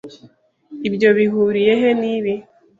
Ibyo bihuriye he nibi?